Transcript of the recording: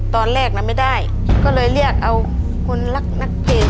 ตอนแรกน่ะไม่ได้ก็เลยเรียกเอาคนรักนักเพจ